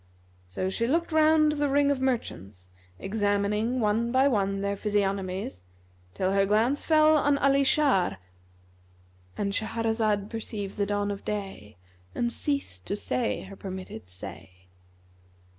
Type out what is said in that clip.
So she looked round the ring of merchants, examining one by one their physiognomies, till her glance fell on Ali Shar,—And Shahrazad perceived the dawn of day and ceased to say her permitted say.